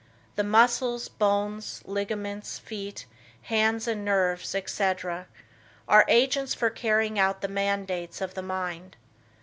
The muscles, bones, ligaments, feet, hands and nerves, etc., are agents for carrying out the mandates of the mind.